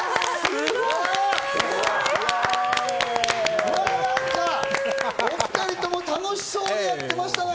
すごい！お２人とも楽しそうにやってましたね。